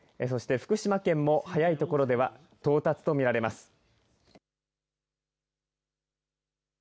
そして福島県も早い所では到達とみられます。